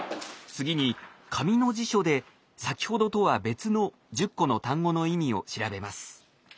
次に紙の辞書で先ほどとは別の１０個の単語の意味を調べます。